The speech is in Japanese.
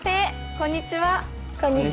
こんにちは。